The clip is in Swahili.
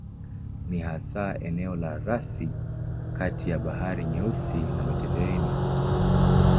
Ni hasa eneo la rasi kati ya Bahari Nyeusi na Mediteranea.